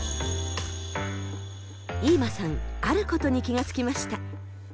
飯間さんあることに気が付きました。